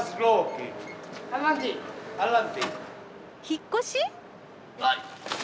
引っ越し？